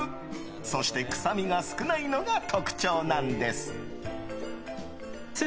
そして、臭みが少ないのが特徴なんです。